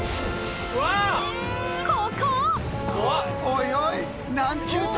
ここ！